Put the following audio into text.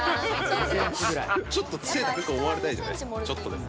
ちょっと背高く思われたいじゃないですか、ちょっとでも。